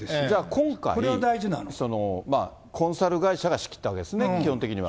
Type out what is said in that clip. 今回、コンサル会社が仕切ったわけですね、基本的には。